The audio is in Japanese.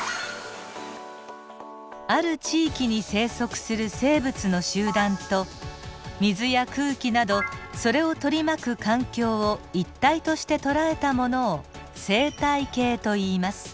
ある地域に生息する生物の集団と水や空気などそれを取り巻く環境を一体として捉えたものを生態系といいます。